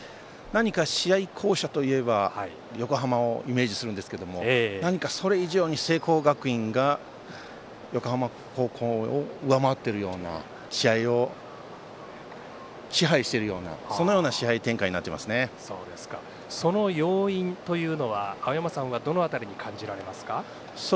何か試合巧者といえば横浜をイメージするんですけども何かそれ以上に聖光学院が横浜高校を上回っているような試合を支配しているようなそのような試合展開にその要因というのは青山さんはどの辺りに感じられますか？